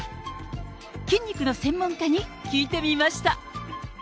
筋肉の専門家に聞いてみました。